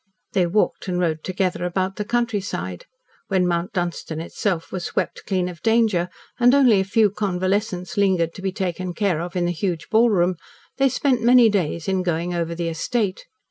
They walked and rode together about the countryside; when Mount Dunstan itself was swept clean of danger, and only a few convalescents lingered to be taken care of in the huge ballroom, they spent many days in going over the estate.